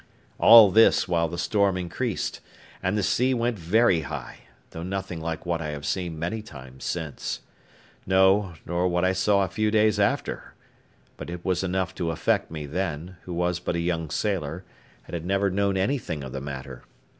All this while the storm increased, and the sea went very high, though nothing like what I have seen many times since; no, nor what I saw a few days after; but it was enough to affect me then, who was but a young sailor, and had never known anything of the matter.